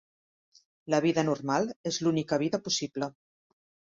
La vida normal és l'única vida possible.